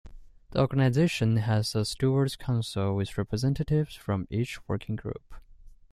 The organization has a stewards' council with representatives from each working group.